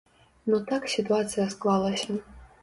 Ну так сітуацыя склалася.